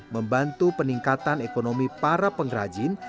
membantu peningkatan ekonomi para pengrajin